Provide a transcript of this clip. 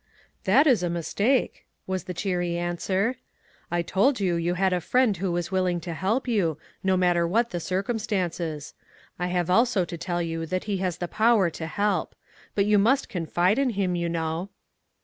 That is a mistake," was the cheery an swer ;" I told you you had a friend who was willing to help you, no matter what the circumstances. I have also to tell you that he has the power to help. But you must confide in him, 3*011 know."